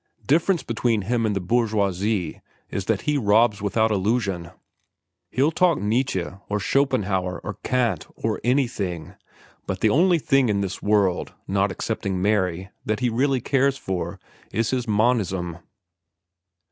Difference between him and the bourgeoisie is that he robs without illusion. He'll talk Nietzsche, or Schopenhauer, or Kant, or anything, but the only thing in this world, not excepting Mary, that he really cares for, is his monism.